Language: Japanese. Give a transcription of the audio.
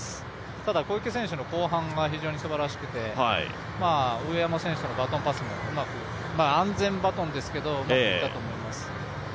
ただ、小池選手の後半が非常にすばらしくて上山選手とのバトンパスもうまく安全バトンですけどうまくいったと思います。